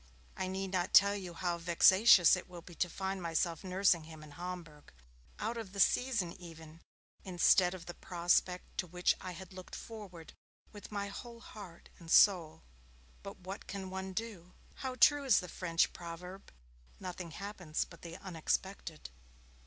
I need not tell you how vexatious it will be to find myself nursing him in Homburg out of the season even instead of the prospect to which I had looked forward with my whole heart and soul. But what can one do? How true is the French proverb, 'Nothing happens but the unexpected'!